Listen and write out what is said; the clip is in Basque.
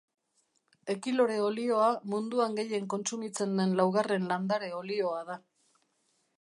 Ekilore olioa munduan gehien kontsumitzen den laugarren landare olioa da.